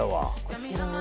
こちらの。